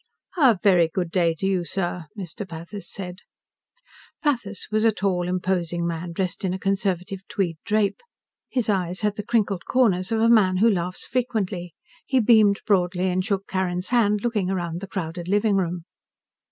"A very good day to you, sir," Mr. Pathis said. Pathis was a tall, imposing man, dressed in a conservative tweed drape. His eyes had the crinkled corners of a man who laughs frequently. He beamed broadly and shook Carrin's hand, looking around the crowded living room.